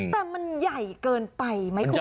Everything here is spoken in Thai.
แต่มันใหญ่เกินไป